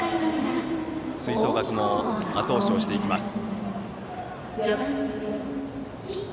吹奏楽もあと押しをしていきます。